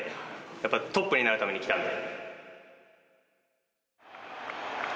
やっぱりトップになるために来たんで。